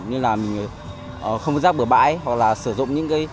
như là mình không rác bửa bãi hoặc là sử dụng những cái